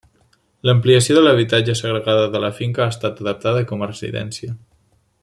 L'ampliació de l'habitatge, segregada de la finca, ha estat adaptada com a residència.